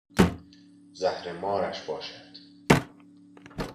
زهر مارش باشد!